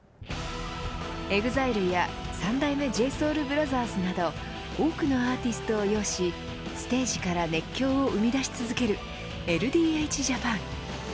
ＥＸＩＬＥや三代目ＪＳＯＵＬＢＲＯＴＨＥＲＳなど多くのアーティストを擁しステージから熱狂を生み出し続けるＬＤＨＪＡＰＡＮ。